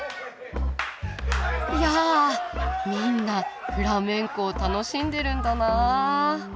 いやみんなフラメンコを楽しんでるんだなあ。